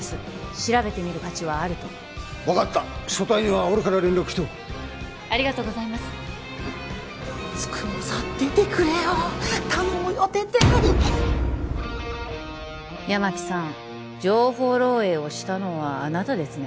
調べてみる価値はあると分かった組対には俺から連絡しておくありがとうございます九十九さん出てくれよ頼むよ出て八巻さん情報漏えいをしたのはあなたですね？